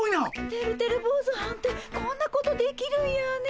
てるてる坊主はんってこんなことできるんやねえ。